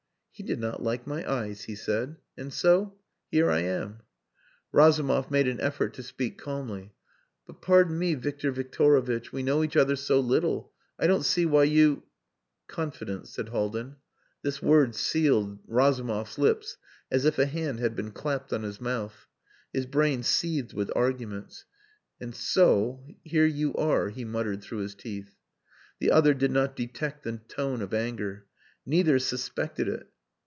"He did not like my eyes," he said. "And so...here I am." Razumov made an effort to speak calmly. "But pardon me, Victor Victorovitch. We know each other so little.... I don't see why you...." "Confidence," said Haldin. This word sealed Razumov's lips as if a hand had been clapped on his mouth. His brain seethed with arguments. "And so here you are," he muttered through his teeth. The other did not detect the tone of anger. Never suspected it.